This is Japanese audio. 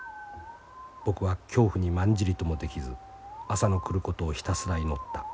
僕は恐怖にまんじりともできず朝の来ることをひたすら祈った。